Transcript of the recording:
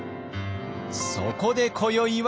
そこで今宵は。